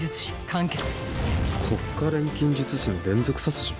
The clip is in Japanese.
完結国家錬金術師の連続殺人？